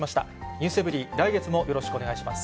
ｎｅｗｓｅｖｅｒｙ．来月もよろしくお願いします。